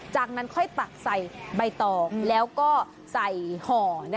จากนั้นค่อยตักใส่ใบตองแล้วก็ใส่ห่อ